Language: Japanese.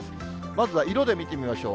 まずは色で見てみましょう。